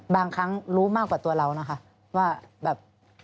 บางครั้งรู้มากกว่าตัวเรานะคะว่าแบบ